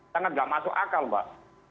sangat tidak masuk akal mbak